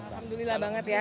alhamdulillah banget ya